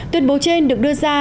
tuyên bố trên được đưa ra